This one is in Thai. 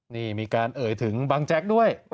นี่มีการเอ่ยถึงบางแจ๊กด้วย